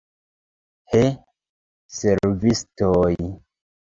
He, servistoj!